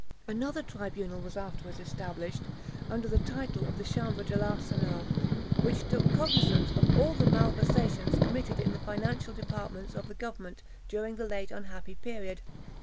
[Illustration: D'ARGENSON.] Another tribunal was afterwards established, under the title of the Chambre de l'Arsenal, which took cognisance of all the malversations committed in the financial departments of the government, during the late unhappy period.